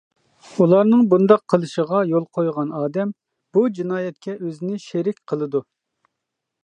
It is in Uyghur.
ئۇلارنىڭ بۇنداق قىلىشىغا يول قويغان ئادەم ، بۇ جىنايەتكە ئۆزىنى شېرىك قىلىدۇ.